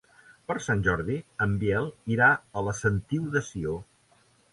Per Sant Jordi en Biel irà a la Sentiu de Sió.